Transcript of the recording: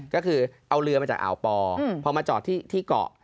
ก็คือเอาเรือมาจากอ่าวปอพอมาจอดที่เกาะ